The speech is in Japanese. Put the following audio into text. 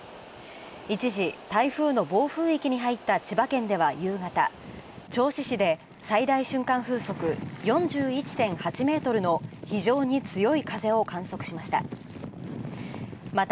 一時、台風の暴風域に入った千葉県では夕方、銚子市で最大瞬間風速４１．８メートルの非常に強い風を観測しました。